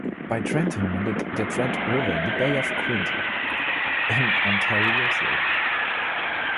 Bei Trenton mündet der Trent River in die Bay of Quinte im Ontariosee.